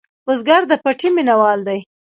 بزګر د پټي مېنهوال دی